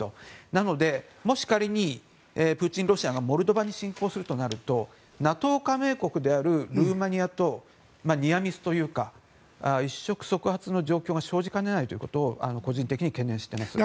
なのでもし仮にプーチンロシアがモルドバに侵攻するとなるとＮＡＴＯ加盟国であるルーマニアとニアミスというか一触即発の状況が生じかねないということを個人的に懸念しています。